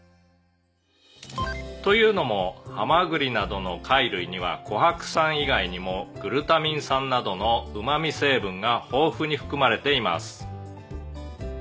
「というのもハマグリなどの貝類にはコハク酸以外にもグルタミン酸などのうまみ成分が豊富に含まれています」